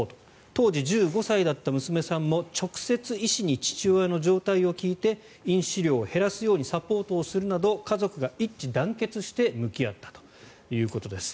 当時１５歳だった娘さんも直接医師に父親の状態を聞いて飲酒量を減らすようにサポートをするなど家族が一致団結して向き合ったということです。